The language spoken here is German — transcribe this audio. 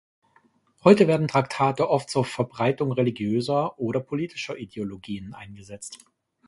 Heute werden Traktate oft zur Verbreitung religiöser oder politischer Ideologien eingesetzt.